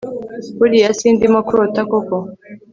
buriya sindimo kurota koko!